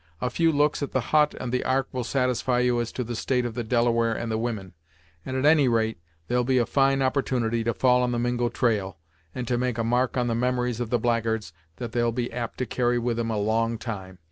A few looks at the hut and the Ark will satisfy you as to the state of the Delaware and the women, and, at any rate, there'll be a fine opportunity to fall on the Mingo trail, and to make a mark on the memories of the blackguards that they'll be apt to carry with 'em a long time.